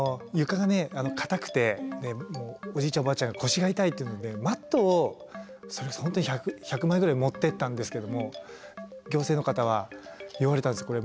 床が硬くておじいちゃんおばあちゃんが腰が痛いって言うのでマットをそれこそ本当に１００枚ぐらい持っていったんですけども行政の方は言われたんです。